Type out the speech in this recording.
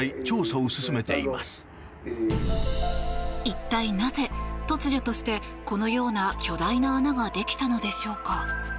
一体なぜ、突如としてこのような巨大な穴ができたのでしょうか。